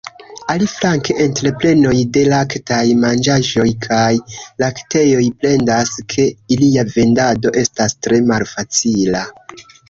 Aliflanke entreprenoj de laktaj manĝaĵoj kaj laktejoj plendas ke ilia vendado estas tre malfacila.